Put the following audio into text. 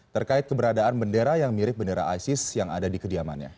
terkait keberadaan bendera yang mirip bendera isis yang ada di kediamannya